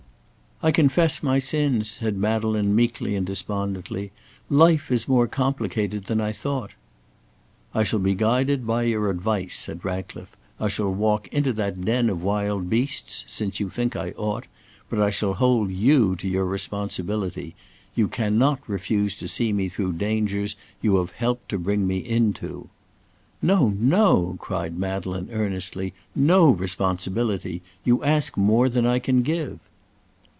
"I confess my sins," said Madeleine, meekly and despondently; "life is more complicated than I thought." "I shall be guided by your advice," said Ratcliffe; "I shall walk into that den of wild beasts, since you think I ought. But I shall hold you to your responsibility. You cannot refuse to see me through dangers you have helped to bring me into." "No, no!" cried Madeleine, earnestly; "no responsibility. You ask more than I can give."